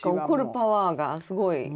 怒るパワーがすごい。